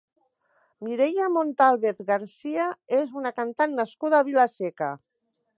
Mireia Montávez García és una cantant nascuda a Vila-seca.